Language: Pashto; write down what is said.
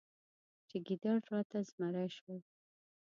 چې ګیدړ راته زمری شول.